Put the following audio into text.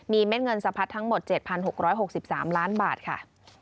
มีเม็ดเงินสะพัดทั้งหมด๗๖๖๓ล้านบาทค่ะ